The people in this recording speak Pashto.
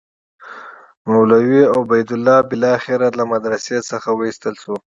مولوي عبیدالله بالاخره له مدرسې څخه وایستل شو.